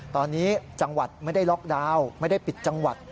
ตอนนี้จังหวัดไม่ได้ล็อกดาวน์ไม่ได้ปิดจังหวัด